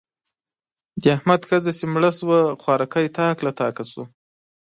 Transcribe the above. د احمد ښځه چې مړه شوه؛ خوارکی تاک له تاکه شو.